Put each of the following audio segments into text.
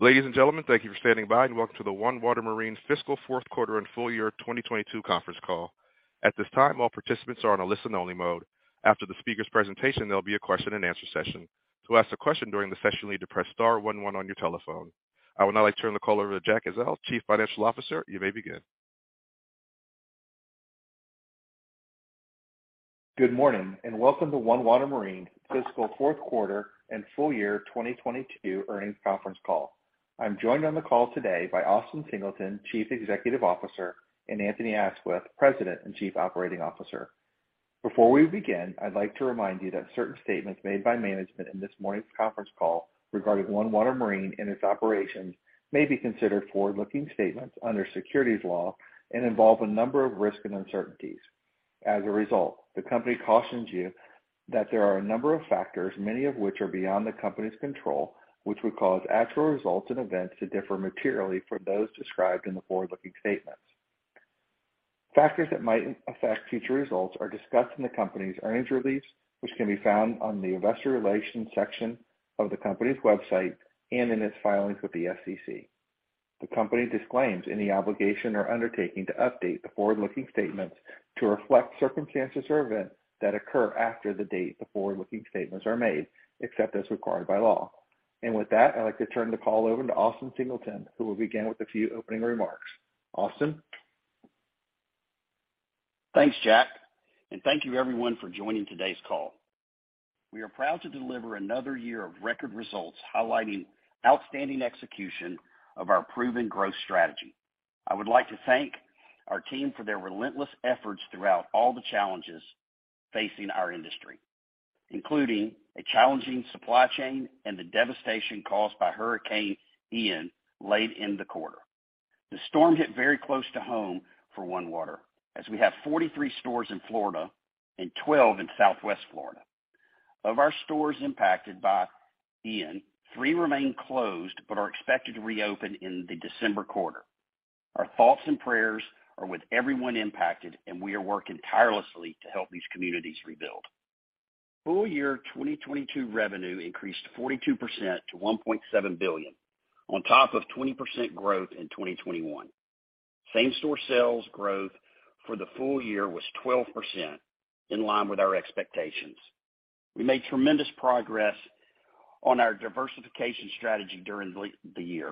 Ladies, and gentlemen, thank you for standing by and welcome to the OneWater Marine Fiscal Fourth Quarter and Full Year 2022 Conference Call. At this time, all participants are on a listen only mode. After the speaker's presentation, there'll be a question-and-answer session. To ask a question during the session, you need to press star one one on your telephone. I would now like to turn the call over to Jack Ezzell, Chief Financial Officer. You may begin. Good morning and welcome to OneWater Marine Fiscal Fourth Quarter and Full Year 2022 Earnings Conference Call. I'm joined on the call today by Austin Singleton, Chief Executive Officer, and Anthony Aisquith, President and Chief Operating Officer. Before we begin, I'd like to remind you that certain statements made by management in this morning's conference call regarding OneWater Marine and its operations may be considered forward-looking statements under securities law and involve a number of risks and uncertainties. As a result, the company cautions you that there are a number of factors, many of which are beyond the company's control, which would cause actual results and events to differ materially from those described in the forward-looking statements. Factors that might affect future results are discussed in the company's earnings release, which can be found on the Investor Relations section of the company's website and in its filings with the SEC. The company disclaims any obligation or undertaking to update the forward-looking statements to reflect circumstances or events that occur after the date the forward-looking statements are made, except as required by law. With that, I'd like to turn the call over to Austin Singleton, who will begin with a few opening remarks. Austin? Thanks, Jack, and thank you everyone for joining today's call. We are proud to deliver another year of record results, highlighting outstanding execution of our proven growth strategy. I would like to thank our team for their relentless efforts throughout all the challenges facing our industry, including a challenging supply chain and the devastation caused by Hurricane Ian late in the quarter. The storm hit very close to home for OneWater as we have 43 stores in Florida and 12 in Southwest Florida. Of our stores impacted by Ian, three remain closed but are expected to reopen in the December quarter. Our thoughts and prayers are with everyone impacted, and we are working tirelessly to help these communities rebuild. Full year 2022 revenue increased 42% to $1.7 billion on top of 20% growth in 2021. Same-store sales growth for the full year was 12% in line with our expectations. We made tremendous progress on our diversification strategy during the year.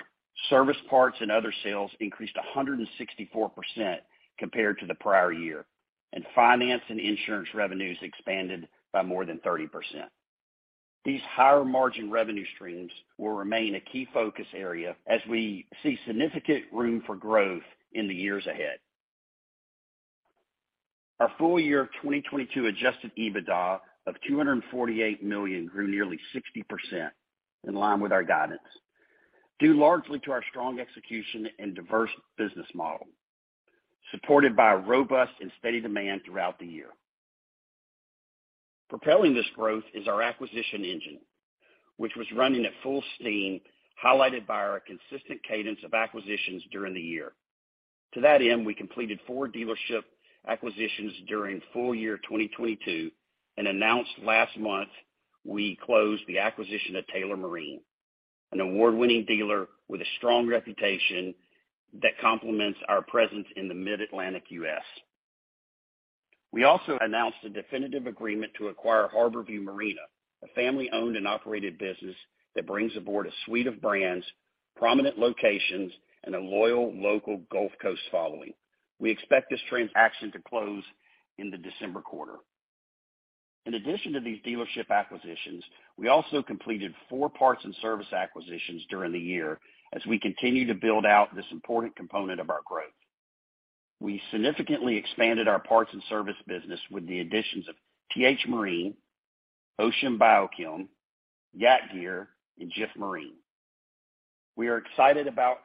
Service parts and other sales increased 164% compared to the prior year. Finance and Insurance revenues expanded by more than 30%. These higher margin revenue streams will remain a key focus area as we see significant room for growth in the years ahead. Our full year of 2022 Adjusted EBITDA of $248 million grew nearly 60% in line with our guidance, due largely to our strong execution and diverse business model, supported by a robust and steady demand throughout the year. Propelling this growth is our acquisition engine, which was running at full steam, highlighted by our consistent cadence of acquisitions during the year. To that end, we completed four dealership acquisitions during full year 2022 and announced last month we closed the acquisition of Taylor Marine, an award-winning dealer with a strong reputation that complements our presence in the mid-Atlantic U.S. We also announced a definitive agreement to acquire Harbor View Marine, a family-owned and operated business that brings aboard a suite of brands, prominent locations, and a loyal local Gulf Coast following. We expect this transaction to close in the December quarter. In addition to these dealership acquisitions, we also completed four parts and service acquisitions during the year as we continue to build out this important component of our growth. We significantly expanded our parts and service business with the additions of T-H Marine, Ocean Bio-Chem, YakGear, and JIF Marine. We are excited about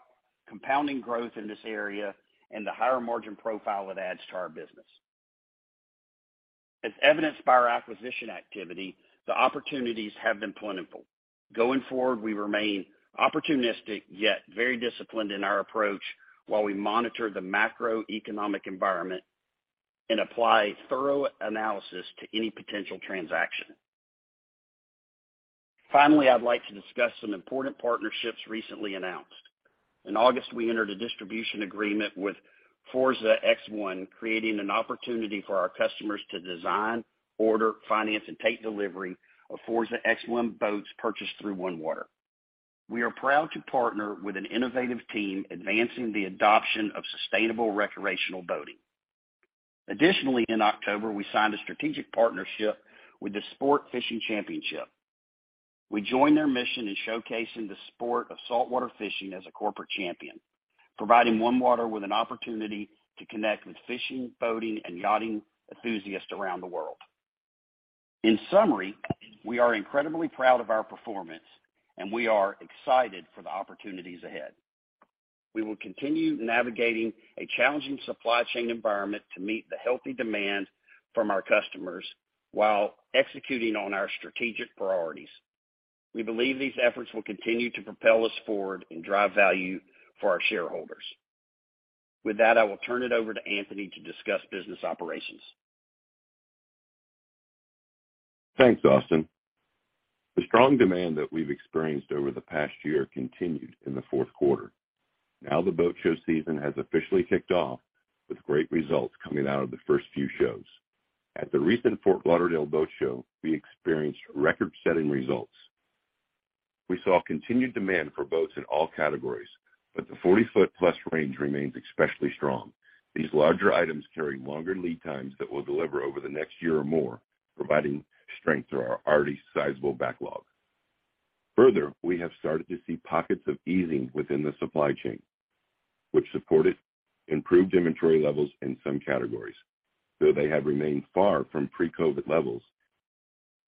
compounding growth in this area and the higher margin profile it adds to our business. As evidenced by our acquisition activity, the opportunities have been plentiful. Going forward, we remain opportunistic yet very disciplined in our approach while we monitor the macroeconomic environment and apply thorough analysis to any potential transaction. Finally, I'd like to discuss some important partnerships recently announced. In August, we entered a distribution agreement with Forza X1, creating an opportunity for our customers to design, order, finance, and take delivery of Forza X1 boats purchased through OneWater. We are proud to partner with an innovative team advancing the adoption of sustainable recreational boating. Additionally, in October, we signed a strategic partnership with the Sport Fishing Championship. We join their mission in showcasing the sport of saltwater fishing as a corporate champion, providing OneWater with an opportunity to connect with fishing, boating, and yachting enthusiasts around the world. In summary, we are incredibly proud of our performance, and we are excited for the opportunities ahead. We will continue navigating a challenging supply chain environment to meet the healthy demand from our customers while executing on our strategic priorities. We believe these efforts will continue to propel us forward and drive value for our shareholders. With that, I will turn it over to Anthony to discuss business operations. Thanks, Austin. The strong demand that we've experienced over the past year continued in the fourth quarter. Now the boat show season has officially kicked off with great results coming out of the first few shows. At the recent Fort Lauderdale Boat Show, we experienced record-setting results. We saw continued demand for boats in all categories, but the 40 ft+ range remains especially strong. These larger items carry longer lead times that will deliver over the next year or more, providing strength to our already sizable backlog. Further, we have started to see pockets of easing within the supply chain, which supported improved inventory levels in some categories, though they have remained far from pre-COVID levels.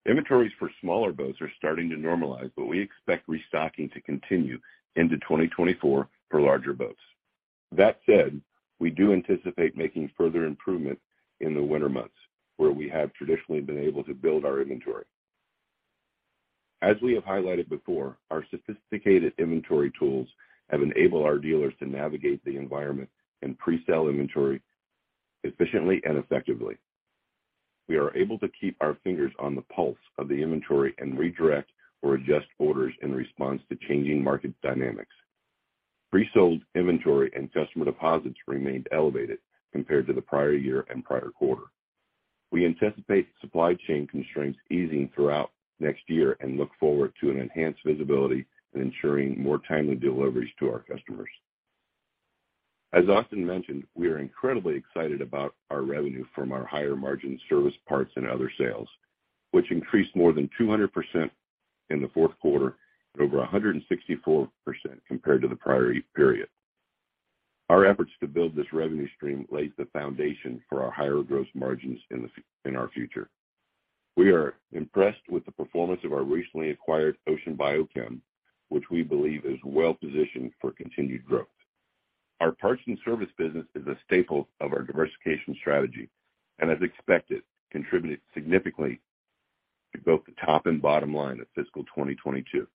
Inventories for smaller boats are starting to normalize, but we expect restocking to continue into 2024 for larger boats. That said, we do anticipate making further improvements in the winter months, where we have traditionally been able to build our inventory. As we have highlighted before, our sophisticated inventory tools have enabled our dealers to navigate the environment and pre-sell inventory efficiently and effectively. We are able to keep our fingers on the pulse of the inventory and redirect or adjust orders in response to changing market dynamics. Pre-sold inventory and customer deposits remained elevated compared to the prior year and prior quarter. We anticipate supply chain constraints easing throughout next year and look forward to an enhanced visibility and ensuring more timely deliveries to our customers. As Austin mentioned, we are incredibly excited about our revenue from our higher margin service parts and other sales, which increased more than 200% in the fourth quarter and over 164% compared to the prior period. Our efforts to build this revenue stream lays the foundation for our higher gross margins in our future. We are impressed with the performance of our recently acquired Ocean Bio-Chem, which we believe is well positioned for continued growth. Our parts and service business is a staple of our diversification strategy and as expected, contributed significantly to both the top and bottom line of fiscal 2022.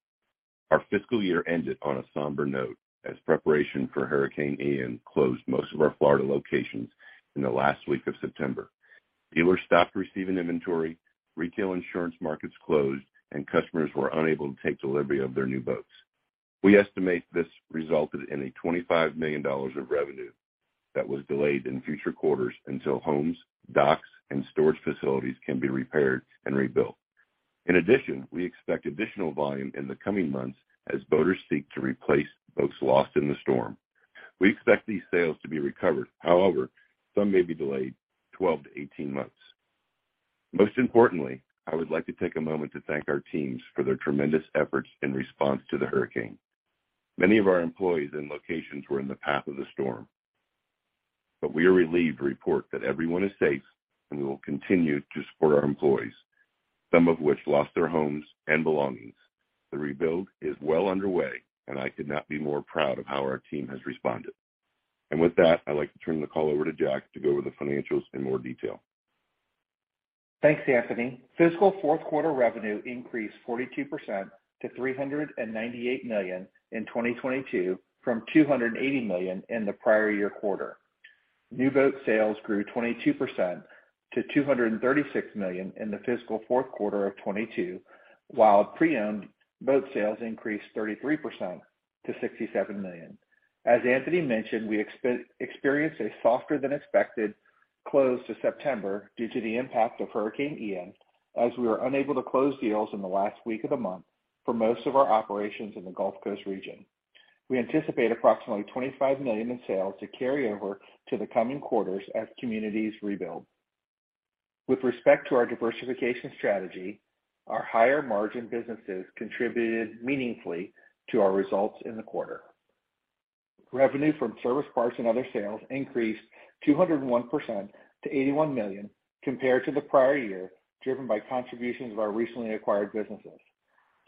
Our fiscal year ended on a somber note as preparation for Hurricane Ian closed most of our Florida locations in the last week of September. Dealers stopped receiving inventory, retail insurance markets closed, and customers were unable to take delivery of their new boats. We estimate this resulted in $25 million of revenue that was delayed in future quarters until homes, docks, and storage facilities can be repaired and rebuilt. In addition, we expect additional volume in the coming months as boaters seek to replace boats lost in the storm. We expect these sales to be recovered. However, some may be delayed 12-18 months. Most importantly, I would like to take a moment to thank our teams for their tremendous efforts in response to the hurricane. Many of our employees and locations were in the path of the storm, but we are relieved to report that everyone is safe, and we will continue to support our employees, some of which lost their homes and belongings. The rebuild is well underway, and I could not be more proud of how our team has responded. With that, I'd like to turn the call over to Jack to go over the financials in more detail. Thanks, Anthony. Fiscal fourth quarter revenue increased 42% to $398 million in 2022 from $280 million in the prior year quarter. New boat sales grew 22% to $236 million in the fiscal fourth quarter of 2022, while pre-owned boat sales increased 33% to $67 million. As Anthony mentioned, we experienced a softer than expected close to September due to the impact of Hurricane Ian, as we were unable to close deals in the last week of the month for most of our operations in the Gulf Coast region. We anticipate approximately $25 million in sales to carry over to the coming quarters as communities rebuild. With respect to our diversification strategy, our higher margin businesses contributed meaningfully to our results in the quarter. Revenue from service parts and other sales increased 201% to $81 million compared to the prior year, driven by contributions of our recently acquired businesses.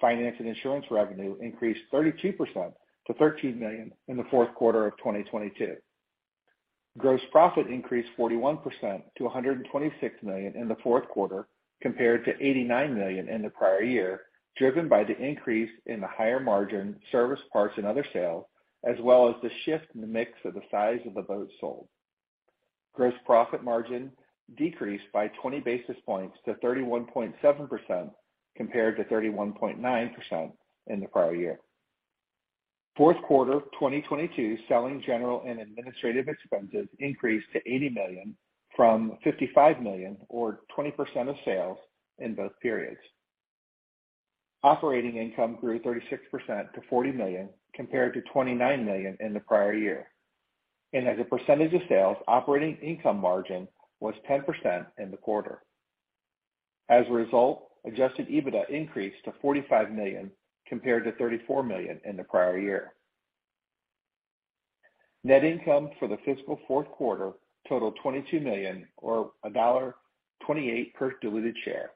Finance and Insurance revenue increased 32% to $13 million in the fourth quarter of 2022. Gross profit increased 41% to $126 million in the fourth quarter, compared to $89 million in the prior year, driven by the increase in the higher margin service parts and other sales, as well as the shift in the mix of the size of the boats sold. Gross profit margin decreased by 20 basis points to 31.7% compared to 31.9% in the prior year. Fourth quarter 2022 selling, general, and administrative expenses increased to $80 million from $55 million or 20% of sales in both periods. Operating income grew 36% to $40 million compared to $29 million in the prior year. As a percentage of sales, operating income margin was 10% in the quarter. As a result, Adjusted EBITDA increased to $45 million compared to $34 million in the prior year. Net income for the fiscal fourth quarter totaled $22 million or $1.28 per diluted share,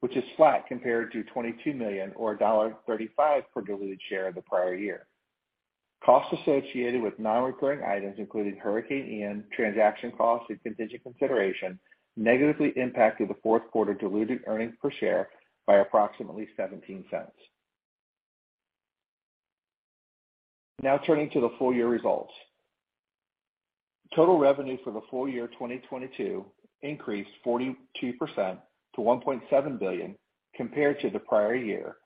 which is flat compared to $22 million or $1.35 per diluted share in the prior year. Costs associated with non-recurring items, including Hurricane Ian, transaction costs, and contingent consideration, negatively impacted the fourth quarter diluted earnings per share by approximately $0.17. Now turning to the full year results. Total revenue for the full year 2022 increased 42% to $1.7 billion compared to the prior year,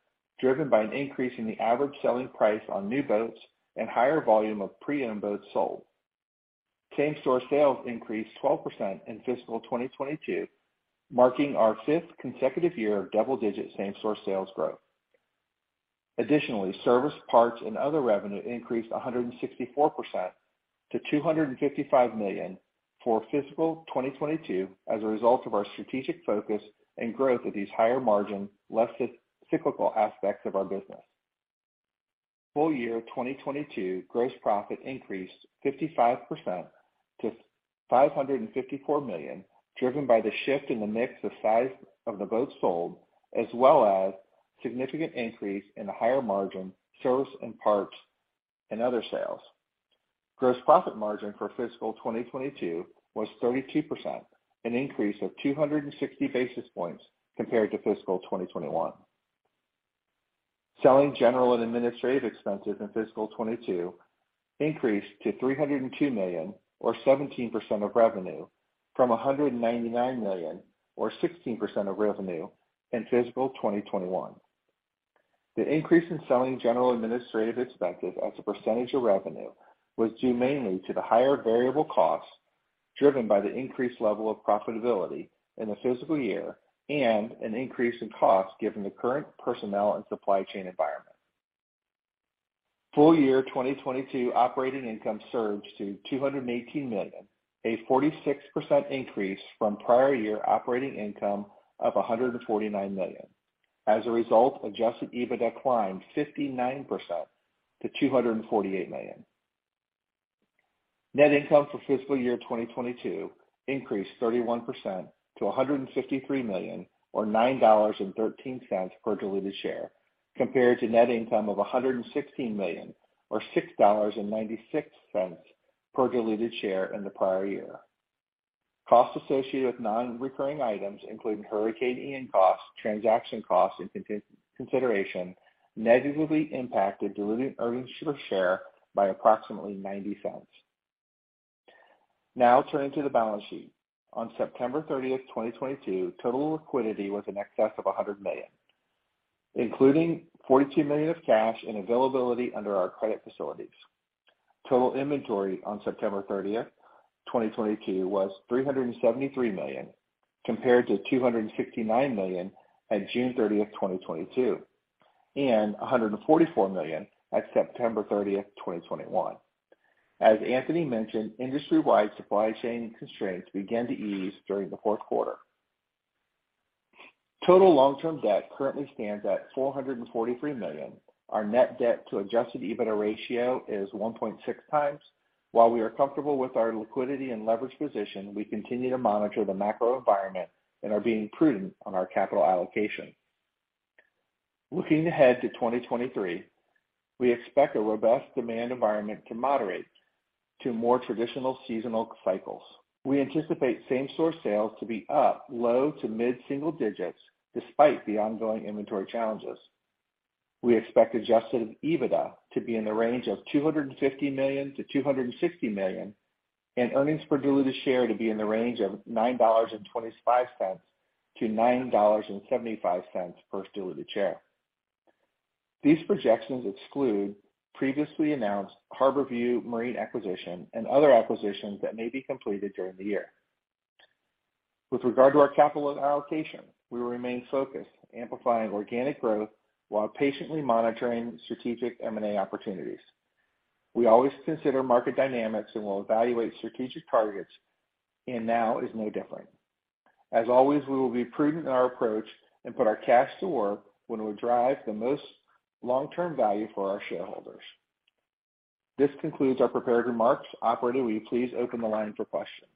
driven by an increase in the average selling price on new boats and higher volume of pre-owned boats sold. Same-store sales increased 12% in fiscal 2022, marking our fifth consecutive year of double-digit same-store sales growth. Additionally, service parts and other revenue increased 164% to $255 million for fiscal 2022 as a result of our strategic focus and growth of these higher margin, less cyclical aspects of our business. Full year 2022 gross profit increased 55% to $554 million, driven by the shift in the mix of size of the boats sold, as well as significant increase in the higher margin service and parts and other sales. Gross profit margin for fiscal 2022 was 32%, an increase of 260 basis points compared to fiscal 2021. Selling, general, and administrative expenses in fiscal 2022 increased to $302 million or 17% of revenue from $199 million or 16% of revenue in fiscal 2021. The increase in selling, general, and administrative expenses as a percentage of revenue was due mainly to the higher variable costs driven by the increased level of profitability in the fiscal year and an increase in costs given the current personnel and supply chain environment. Full year 2022 operating income surged to $218 million, a 46% increase from prior year operating income of $149 million. As a result, Adjusted EBITDA climbed 59% to $248 million. Net income for fiscal year 2022 increased 31% to $153 million or $9.13 per diluted share, compared to net income of $116 million or $6.96 per diluted share in the prior year. Costs associated with non-recurring items, including Hurricane Ian costs, transaction costs, and consideration, negatively impacted diluted earnings per share by approximately $0.90. Now turning to the balance sheet. On September 30th, 2022, total liquidity was in excess of $100 million, including $42 million of cash and availability under our credit facilities. Total inventory on September 30th, 2022 was $373 million, compared to $269 million on June 30th, 2022, and $144 million at September 30th, 2021. As Anthony mentioned, industry-wide supply chain constraints began to ease during the fourth quarter. Total long-term debt currently stands at $443 million. Our net debt to Adjusted EBITDA ratio is 1.6x. While we are comfortable with our liquidity and leverage position, we continue to monitor the macro environment and are being prudent on our capital allocation. Looking ahead to 2023, we expect a robust demand environment to moderate to more traditional seasonal cycles. We anticipate same-store sales to be up low to mid-single digits despite the ongoing inventory challenges. We expect Adjusted EBITDA to be in the range of $250 million-$260 million and earnings per diluted share to be in the range of $9.25-$9.75 per diluted share. These projections exclude previously announced Harbor View Marine acquisition and other acquisitions that may be completed during the year. With regard to our capital allocation, we will remain focused, amplifying organic growth while patiently monitoring strategic M&A opportunities. We always consider market dynamics and will evaluate strategic targets, and now is no different. As always, we will be prudent in our approach and put our cash to work when it will drive the most long-term value for our shareholders. This concludes our prepared remarks. Operator, will you please open the line for questions?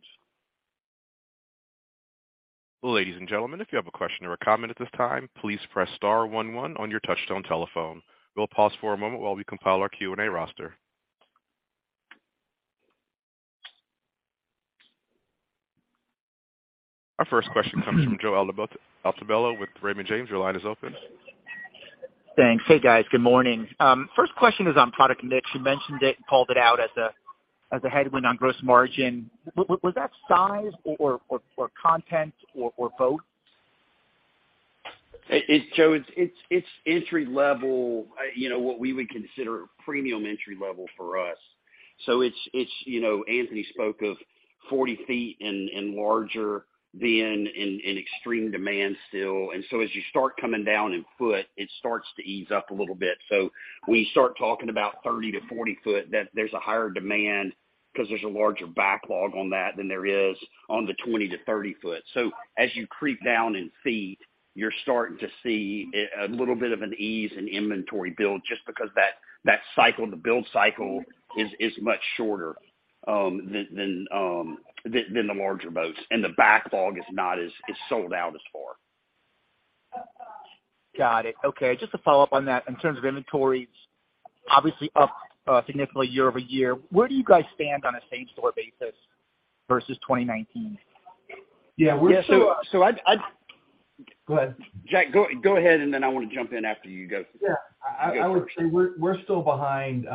Ladies, and gentlemen, if you have a question or a comment at this time, please press star one one on your touchtone telephone. We'll pause for a moment while we compile our Q&A roster. Our first question comes from Joe Altobello with Raymond James. Your line is open. Thanks. Hey, guys. Good morning. First question is on product mix. You mentioned it and called it out as a headwind on gross margin. Was that size or content or both? Joe, it's entry level, you know, what we would consider premium entry level for us. It's, you know, Anthony spoke of 40 ft and larger being in extreme demand still. As you start coming down in foot, it starts to ease up a little bit. When you start talking about 30 ft-40 ft, there's a higher demand because there's a larger backlog on that than there is on the 20 ft-30 ft. As you creep down in feet, you're starting to see a little bit of an ease in inventory build just because that cycle, the build cycle is much shorter than the larger boats, and the backlog is not as sold out as far. Got it. Okay, just to follow up on that, in terms of inventories obviously up significantly year over year, where do you guys stand on a same-store basis versus 2019? Yeah, we're Yeah, I'd Go ahead. Jack, go ahead, and then I want to jump in after you, go. Yeah. I would say we're still behind,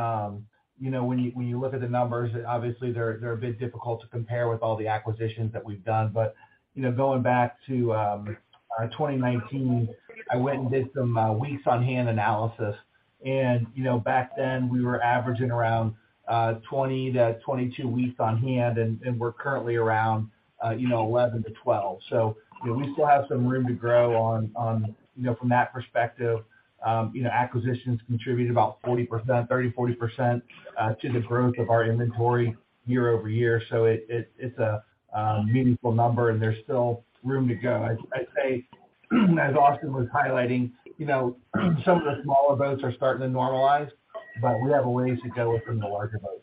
you know, when you look at the numbers, obviously, they're a bit difficult to compare with all the acquisitions that we've done. You know, going back to our 2019, I went and did some weeks on hand analysis. You know, back then, we were averaging around 20-22 weeks on hand, and we're currently around 11-12. You know, we still have some room to grow on, you know, from that perspective. You know, acquisitions contribute about 30%-40% to the growth of our inventory year-over-year. It's a meaningful number, and there's still room to go. I'd say, as Austin was highlighting, you know, some of the smaller boats are starting to normalize, but we have a ways to go within the larger boats.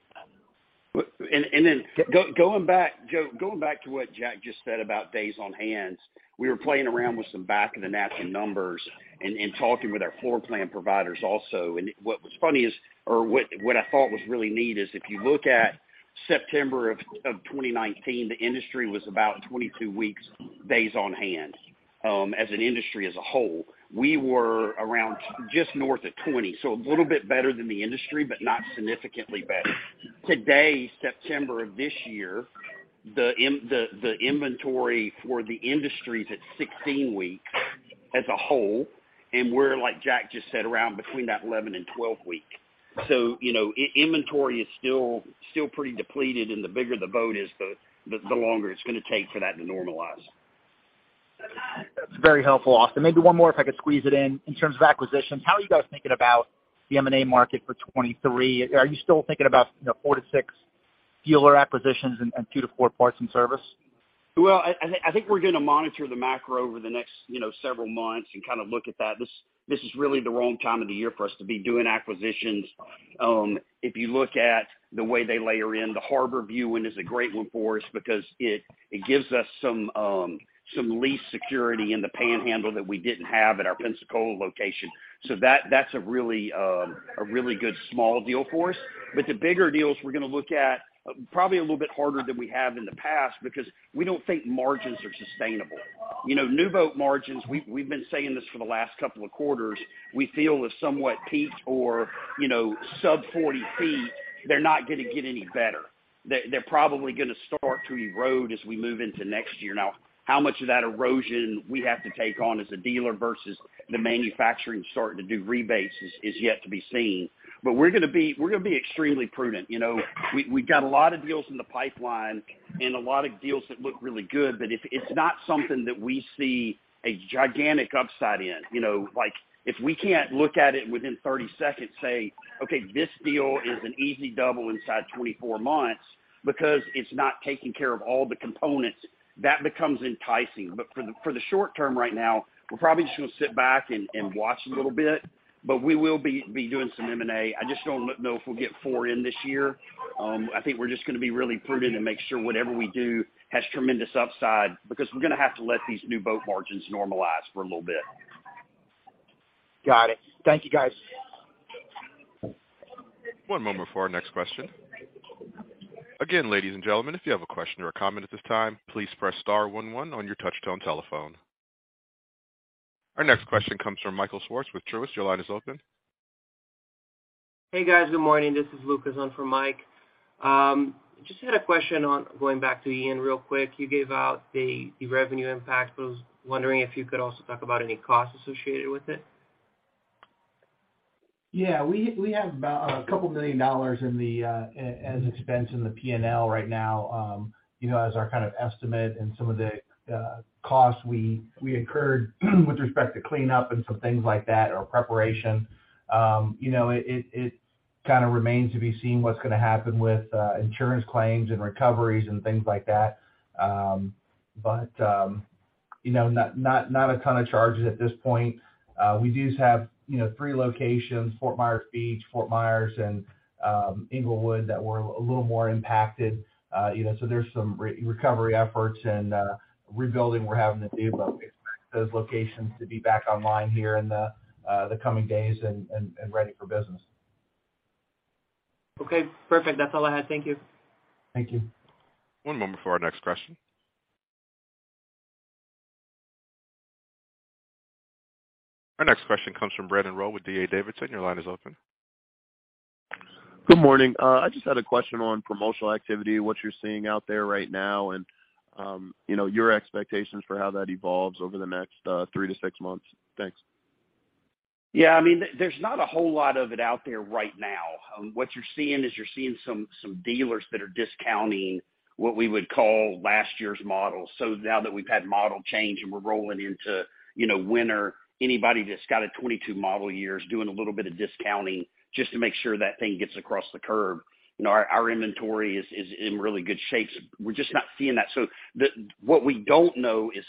Going back, Joe, going back to what Jack just said about days on hand, we were playing around with some back of the napkin numbers and talking with our floor plan providers also. What I thought was really neat is if you look at September of 2019, the industry was about 22 weeks days on hand as an industry as a whole. We were around just north of 20, so a little bit better than the industry, but not significantly better. Today, September of this year, the inventory for the industry is at 16 weeks as a whole, and we're, like Jack just said, around between that 11 and 12 weeks. You know, inventory is still pretty depleted, and the bigger the boat is, the longer it's going to take for that to normalize. That's very helpful, Austin. Maybe one more if I could squeeze it in. In terms of acquisitions, how are you guys thinking about the M&A market for 2023? Are you still thinking about, you know, four to six dealer acquisitions and two to four parts and service? Well, I think we're going to monitor the macro over the next, you know, several months and kind of look at that. This is really the wrong time of the year for us to be doing acquisitions. If you look at the way they layer in, the Harbor View one is a great one for us because it gives us some lease security in the Panhandle that we didn't have at our Pensacola location. That's a really good small deal for us. The bigger deals we're going to look at probably a little bit harder than we have in the past because we don't think margins are sustainable. You know, new boat margins, we've been saying this for the last couple of quarters, we feel have somewhat peaked or, you know, sub-40 ft, they're not going to get any better. They're probably going to start to erode as we move into next year. Now, how much of that erosion we have to take on as a dealer versus the manufacturing starting to do rebates is yet to be seen. We're going to be extremely prudent. You know, we've got a lot of deals in the pipeline and a lot of deals that look really good. If it's not something that we see a gigantic upside in, you know, like if we can't look at it within 30 seconds, say, "Okay, this deal is an easy double inside 24 months," because it's not taking care of all the components, that becomes enticing. For the short term right now, we're probably just going to sit back and watch a little bit. We will be doing some M&A. I just don't know if we'll get four in this year. I think we're just going to be really prudent and make sure whatever we do has tremendous upside because we're going to have to let these new boat margins normalize for a little bit. Got it. Thank you, guys. One moment for our next question. Again, ladies, and gentlemen, if you have a question or a comment at this time, please press star one one on your touchtone telephone. Our next question comes from Michael Swartz with Truist. Your line is open. Hey, guys. Good morning. This is Lucas on for Mike. Just had a question on going back to Ian real quick. You gave out the revenue impact. Was wondering if you could also talk about any costs associated with it. Yeah. We have about $2 million in the SG&A expense in the P&L right now, you know, as our kind of estimate and some of the costs we incurred with respect to cleanup and some things like that or preparation. You know, it kind of remains to be seen what's going to happen with insurance claims and recoveries and things like that. You know, not a ton of charges at this point. We do have you know, three locations, Fort Myers Beach, Fort Myers, and Englewood, that were a little more impacted. You know, so there's some recovery efforts and rebuilding we're having to do. We expect those locations to be back online here in the coming days and ready for business. Okay. Perfect. That's all I had. Thank you. Thank you. One moment for our next question. Our next question comes from Brandon Rowe with D.A. Davidson. Your line is open. Good morning. I just had a question on promotional activity, what you're seeing out there right now and, you know, your expectations for how that evolves over the next, three to six months. Thanks. Yeah. I mean, there's not a whole lot of it out there right now. What you're seeing is some dealers that are discounting what we would call last year's model. Now that we've had model change and we're rolling into, you know, winter, anybody that's got a 2022 model year is doing a little bit of discounting just to make sure that thing gets across the curb. You know, our inventory is in really good shape. We're just not seeing that. What we don't know is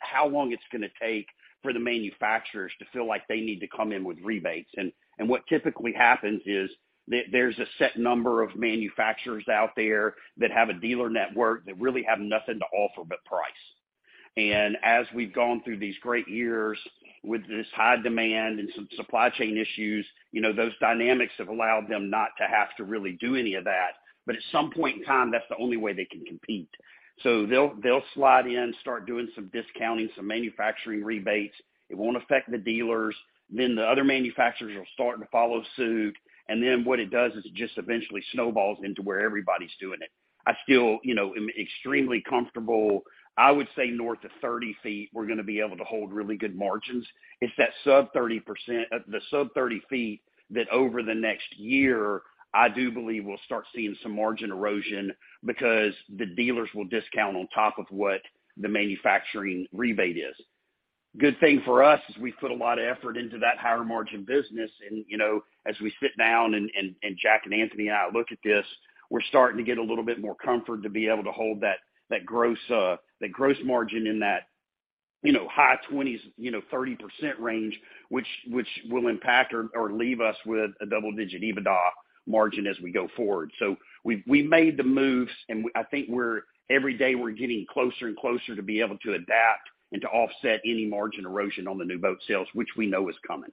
how long it's going to take for the manufacturers to feel like they need to come in with rebates. What typically happens is there's a set number of manufacturers out there that have a dealer network that really have nothing to offer but price. As we've gone through these great years with this high demand and some supply chain issues, you know, those dynamics have allowed them not to have to really do any of that. At some point in time, that's the only way they can compete. They'll slide in, start doing some discounting, some manufacturing rebates. It won't affect the dealers. The other manufacturers will start to follow suit. What it does is it just eventually snowballs into where everybody's doing it. I still, you know, am extremely comfortable. I would say north of 30 ft, we're gonna be able to hold really good margins. It's that sub-30%—the sub-30 ft that over the next year, I do believe we'll start seeing some margin erosion because the dealers will discount on top of what the manufacturing rebate is. Good thing for us is we've put a lot of effort into that higher margin business. You know, as we sit down and Jack and Anthony and I look at this, we're starting to get a little bit more comfort to be able to hold that gross margin in that, you know, high-20s%, you know, 30% range, which will impact or leave us with a double-digit EBITDA margin as we go forward. We made the moves. I think every day, we're getting closer and closer to be able to adapt and to offset any margin erosion on the new boat sales, which we know is coming.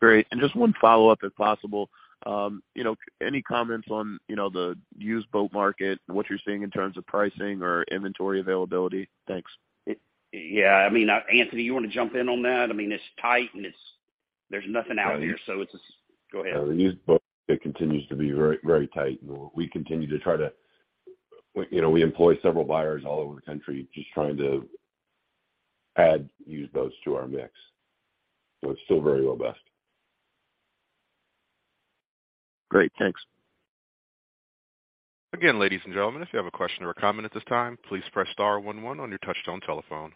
Great. Just one follow-up, if possible. You know, any comments on, you know, the used boat market and what you're seeing in terms of pricing or inventory availability? Thanks. Yeah. I mean, Anthony, you wanna jump in on that? I mean, it's tight and there's nothing out there. Go ahead. The used boat continues to be very, very tight. We continue to try to, you know, we employ several buyers all over the country just trying to add used boats to our mix. It's still very robust. Great. Thanks. Again, ladies, and gentlemen, if you have a question or a comment at this time, please press star one one on your touchtone telephone.